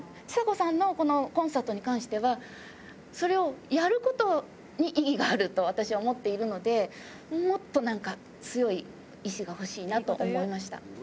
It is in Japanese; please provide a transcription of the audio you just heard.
ちさ子さんのこのコンサートに関しては、それをやることに意義があると、私は思っているので、もっとなんか、強い意志が欲しいなと思いました。